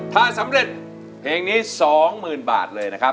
ถ้าสำเร็จเพลงนี้๒๐๐๐บาทเลยนะครับ